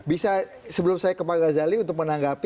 bisa sebelum saya ke pak gazali untuk menanggapi